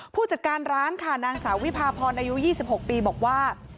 ผู้จัดการร้านค่ะนางสาววิพาพรอายุ๒๖ปีบอกว่า